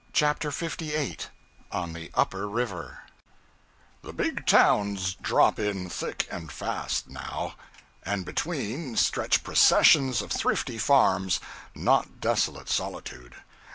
CHAPTER 58 On the Upper River THE big towns drop in, thick and fast, now: and between stretch processions of thrifty farms, not desolate solitude.